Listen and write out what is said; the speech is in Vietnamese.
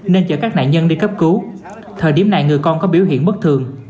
nên chở các nạn nhân đi cấp cứu thời điểm này người con có biểu hiện bất thường